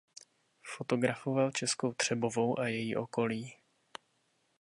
Fotografoval Českou Třebovou a její okolí.